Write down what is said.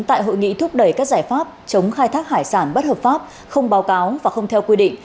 tại hội nghị thúc đẩy các giải pháp chống khai thác hải sản bất hợp pháp không báo cáo và không theo quy định